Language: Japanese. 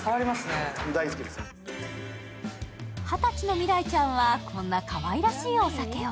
二十歳の未来ちゃんはこんなかわいらしいお酒を。